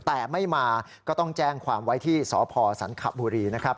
แต่ไม่มาก็ต้องแจ้งความไว้ที่สพสันขบุรีนะครับ